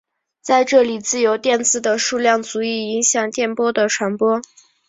在这里自由电子的数量足以影响电波的传播。